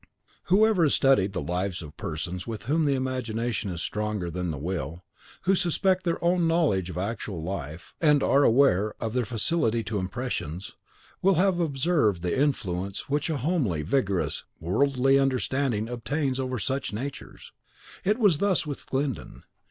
Whoever has studied the lives of persons in whom the imagination is stronger than the will, who suspect their own knowledge of actual life, and are aware of their facility to impressions, will have observed the influence which a homely, vigorous, worldly understanding obtains over such natures. It was thus with Glyndon.